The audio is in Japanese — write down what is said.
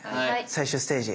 最終ステージ。